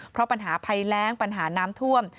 เพราะปัญหาภัยแรงปัญหาน้ำท่วม